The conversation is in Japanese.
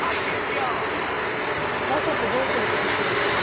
ナスってどうするとおいしいですか？